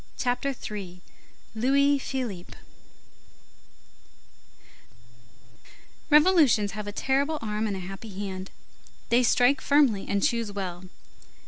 CHAPTER III—LOUIS PHILIPPE Revolutions have a terrible arm and a happy hand, they strike firmly and choose well.